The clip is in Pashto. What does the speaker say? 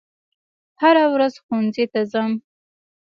هره ورځ ښوونځي ته ځم